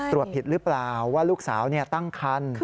ตรวจผิดหรือเปล่าว่าลูกสาวตั้งคัน